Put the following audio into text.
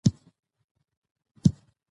ازادي راډیو د ورزش پرمختګ سنجولی.